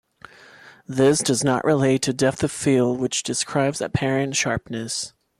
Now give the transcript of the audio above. This does not relate to depth of field which describes apparent sharpness.